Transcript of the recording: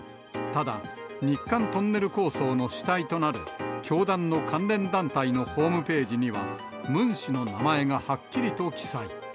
ただ、日韓トンネル構想の主体となる、教団の関連団体のホームページには、ムン氏の名前がはっきりと記載。